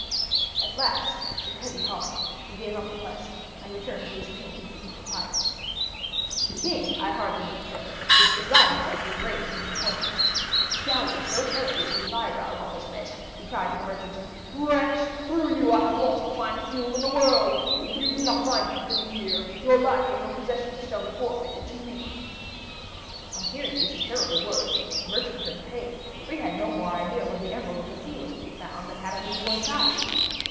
At last, with a heavy heart, he gave up the quest and returned to his King with the evil tidings. The King, I hardly need say, was beside himself with rage and disappointment. Scowling so terribly that his eyebrows almost met, he cried to the merchant: "Wretch, through you I have lost the finest jewel in the world! If you do not find it within a year, your life and your possessions shall be forfeited to me." On hearing these terrible words, the merchant turned pale, for he had no more idea where the Emerald of the Sea was to be found than had a new born child.